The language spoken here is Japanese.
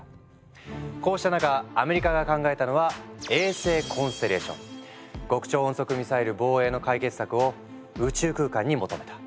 こうした中アメリカが考えたのは極超音速ミサイル防衛の解決策を宇宙空間に求めた。